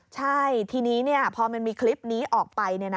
ใช่ทีนี้พอมันมีคลิปนี้ออกไป